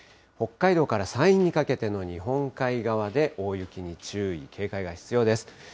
北海道から山陰にかけての日本海側で大雪に注意、警戒が必要です。